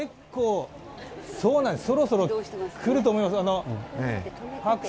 そろそろ来ると思います。